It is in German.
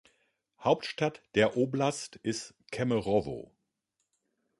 Hauptstadt der Oblast ist Kemerowo.